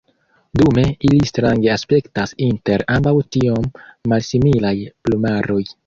Dume ili strange aspektas inter ambaŭ tiom malsimilaj plumaroj.